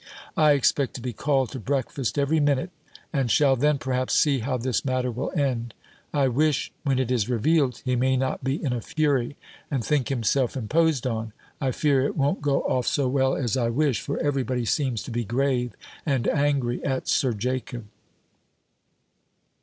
I expect to be called to breakfast every minute, and shall then, perhaps, see how this matter will end. I wish, when it is revealed, he may not be in a fury, and think himself imposed on. I fear it won't go off so well as I wish; for every body seems to be grave, and angry at Sir Jacob.